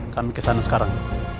kami kesana sekarang